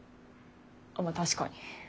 まあ確かに。